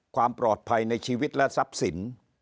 ความปลอดภัยในชีวิตและทรัพย์สิน